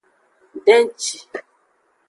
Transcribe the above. Benci.